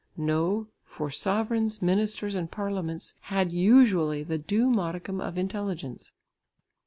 No, for sovereigns, ministers and parliaments had usually the due modicum of intelligence.